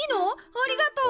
ありがとう。